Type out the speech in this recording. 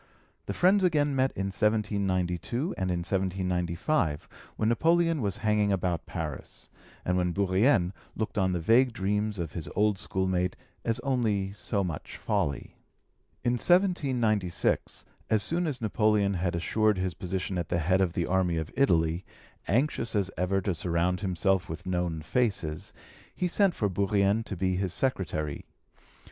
The friends again met in 1792 and in 1795, when Napoleon was hanging about Paris, and when Bourrienne looked on the vague dreams of his old schoolmate as only so much folly. In 1796, as soon as Napoleon had assured his position at the head of the army of Italy, anxious as ever to surround himself with known faces, he sent for Bourrienne to be his secretary.